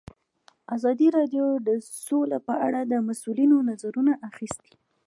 ازادي راډیو د سوله په اړه د مسؤلینو نظرونه اخیستي.